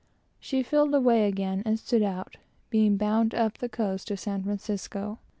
She filled away again, and stood out; being bound up the coast to San Francisco.